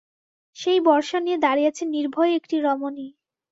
সেই বর্শা নিয়ে দাঁড়িয়েছে নির্ভয়ে একটি রমণী।